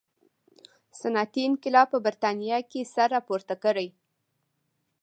صنعتي انقلاب په برېټانیا کې سر راپورته کړي.